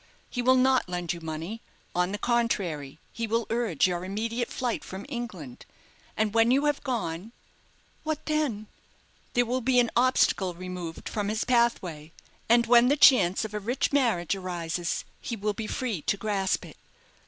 He will not lend you money. On the contrary he will urge your immediate flight from England; and when you have gone " "What then?" "There will be an obstacle removed from his pathway; and when the chance of a rich marriage arises, he will be free to grasp it."